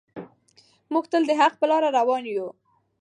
موږ تل د حق په لاره روان یو.